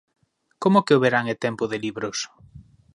Como que o verán é tempo de libros?